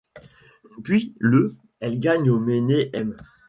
Puis le elles gagnent au Mnet M!